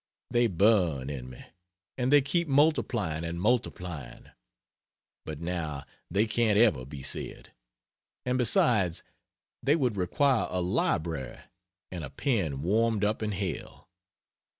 They burn in me; and they keep multiplying and multiplying; but now they can't ever be said. And besides, they would require a library and a pen warmed up in hell.